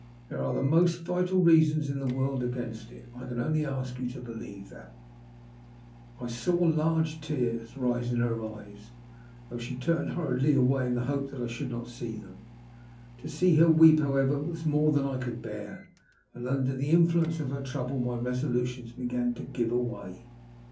There are the most vital reasons in the world against it. I can only ask you to believe that/' I saw large tears rise in her eyes, though she turned hurriedly away in the hope that I should not see tbem. To see her weep, however, was more than I could bear, and under the influence of her trouble my resolutions began to give way.